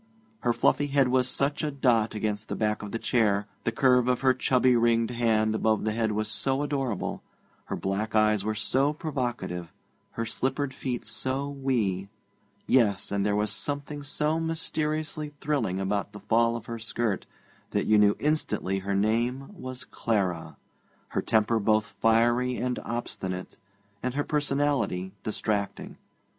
Her fluffy head was such a dot against the back of the chair, the curve of her chubby ringed hand above the head was so adorable, her black eyes were so provocative, her slippered feet so wee yes, and there was something so mysteriously thrilling about the fall of her skirt that you knew instantly her name was Clara, her temper both fiery and obstinate, and her personality distracting.